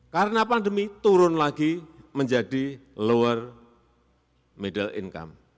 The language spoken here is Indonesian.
karena pandemi turun lagi menjadi lower middle income